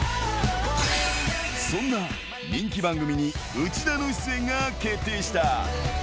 そんな人気番組に、内田の出演が決定した。